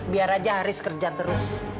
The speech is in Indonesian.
biar aja haris kerja terus